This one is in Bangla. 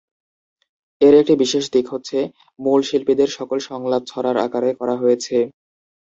এর একটি বিশেষ দিক হচ্ছে মূল শিল্পীদের সকল সংলাপ ছড়ার আকারে করা হয়েছে।